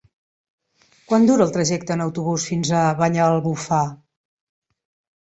Quant dura el trajecte en autobús fins a Banyalbufar?